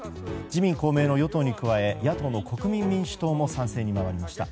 自民・公明の与党に加え野党の国民民主党も賛成に回りました。